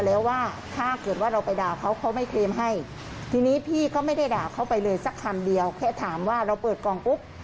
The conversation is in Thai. เลยสักคำเดียวแค่ถามว่าเราเปิดกล่องปุ๊บ